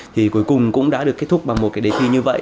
thì cuối cùng cũng đã được kết thúc bằng một cái đề thi như vậy